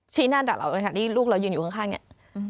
ชี้หน้าด่าเราเลยค่ะที่ลูกเรายืนอยู่ข้างเนี่ย